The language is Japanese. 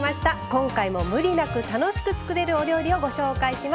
今回もムリなく楽しく作れるお料理をご紹介します。